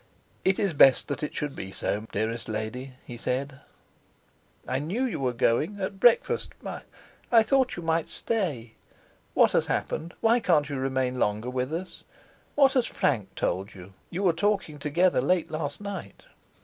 "It is best that it should be so, dearest lady," he said. "I knew you were going, at breakfast. I I thought you might stay. What has happened? Why can't you remain longer with us? What has Frank told you you were talking together late last night?"